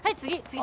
次。